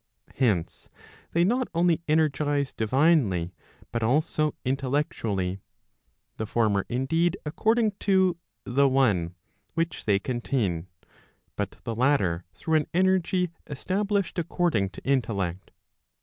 Hence, they not only energize divinely, but also intellectually; the former indeed accoridng to the one which they contain; but the latter through an energy established according to intellect.